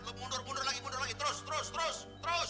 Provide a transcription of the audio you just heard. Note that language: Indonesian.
lo mundur mundur lagi mundur lagi terus terus terus